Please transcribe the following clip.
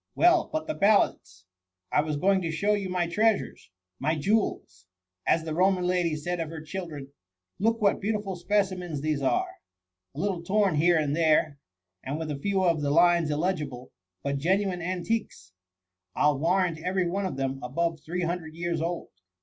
Well, but the ballads ; I was going to show you my treasures,— my jewels ! as the Roman lady said of her children. Look what beautiful specimens these are ! A little torn here and there, and with a few of the lines illegible— but genuine antiques. I '11 warrant every one of them above three hundred years old.